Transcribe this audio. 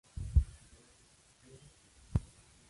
Hay sin embargo un número de variaciones solares de la chimenea.